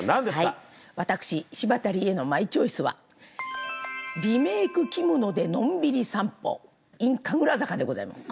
私柴田理恵のマイチョイスは「リメイク着物でのんびり散歩イン神楽坂」でございます。